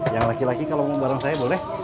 yang laki laki kalau ngomong bareng saya boleh